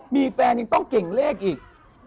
มีแฟนยังต้องเก่งเลขอีก